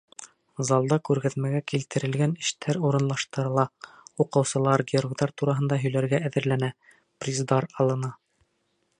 Залда күргәҙмәгә килтерелгән эштәр урынлаштырыла, уҡыусылар геройҙар тураһында һөйләргә әҙерләнә, приздар алына.